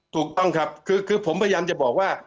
ถูกต้องครับคือผมพยายามจะบอกว่า